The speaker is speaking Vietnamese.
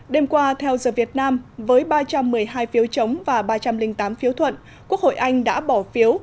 đêm qua theo the vietnam với ba trăm một mươi hai phiếu chống và ba trăm linh tám phiếu thuận quốc hội anh đã bỏ phiếu